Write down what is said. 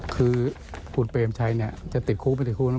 คือคุณเปรมชัยจะติดคุกไม่ติดคุก